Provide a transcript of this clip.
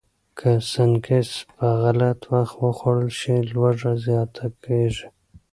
که سنکس په غلط وخت وخوړل شي، لوږه زیاته کېږي.